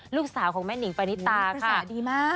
ลูกสาวของแม่นิงปานิตาค่ะ